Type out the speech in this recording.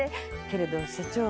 けれど社長